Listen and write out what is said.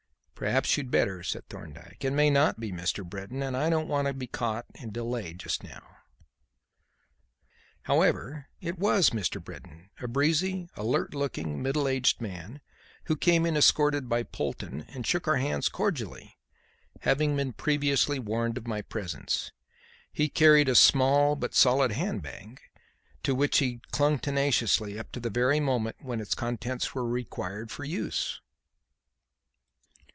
"Perhaps you'd better," said Thorndyke. "It may not be Mr. Britton, and I don't want to be caught and delayed just now." However, it was Mr. Britton; a breezy alert looking middle aged man, who came in escorted by Polton and shook our hands cordially, having been previously warned of my presence. He carried a small but solid hand bag, to which he clung tenaciously up to the very moment when its contents were required for use.